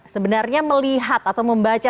sebenarnya melihat atau membaca